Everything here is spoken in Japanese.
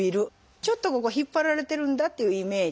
ちょっとここを引っ張られてるんだっていうイメージ。